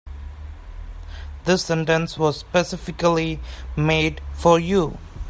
This sentence was specifically made for you.